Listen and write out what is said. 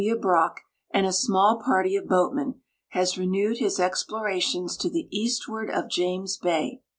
AY. Brock and a small party of boatmen, has renewed his explorations to the eastward of .James bay.